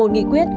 một nghị quyết